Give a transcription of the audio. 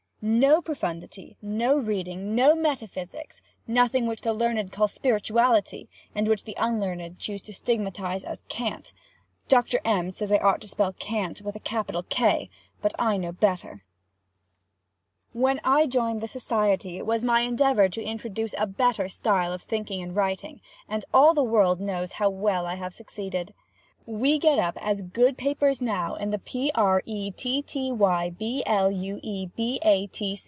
No profundity, no reading, no metaphysics—nothing which the learned call spirituality, and which the unlearned choose to stigmatize as cant. [Dr. M. says I ought to spell "cant" with a capital K—but I know better.] When I joined the society it was my endeavor to introduce a better style of thinking and writing, and all the world knows how well I have succeeded. We get up as good papers now in the P. R. E. T. T. Y. B. L. U. E. B. A.